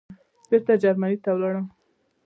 بېرته جرمني ته ولاړم.